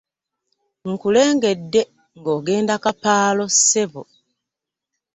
Nkulengedde ng'ogenda kapaalo ssebo.